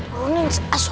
pokoknya gue kayak